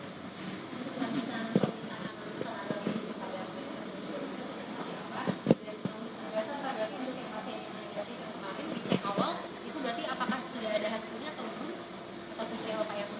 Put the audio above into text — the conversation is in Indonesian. meski di awal itu berarti apakah sudah ada hasilnya atau belum